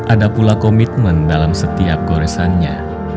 ada pula komitmen dalam setiap goresannya